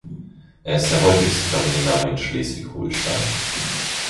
Er ist der häufigste Familienname in Schleswig-Holstein.